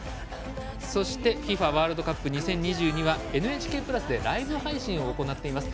そしてＦＩＦＡワールドカップ２０２２は「ＮＨＫプラス」でライブ配信を行っています。